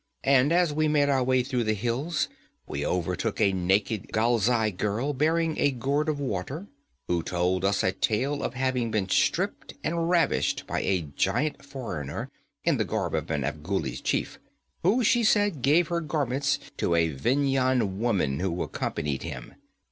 And as we made our way through the hills, we overtook a naked Galzai girl bearing a gourd of water, who told us a tale of having been stripped and ravished by a giant foreigner in the garb of an Afghuli chief, who, she said, gave her garments to a Vendhyan woman who accompanied him.